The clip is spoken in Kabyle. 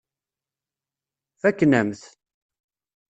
Fakken-am-t.